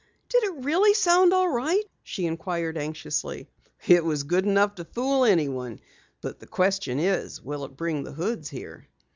"Did it really sound all right?" she inquired anxiously. "It was good enough to fool anyone. But the question is, will it bring the Hoods here?"